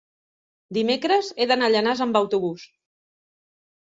dimecres he d'anar a Llanars amb autobús.